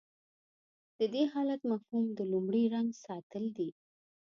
د دې حالت مفهوم د لومړي رنګ ساتل دي.